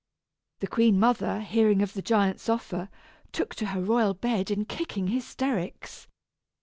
The queen mother, hearing of the giant's offer, took to her royal bed in kicking hysterics.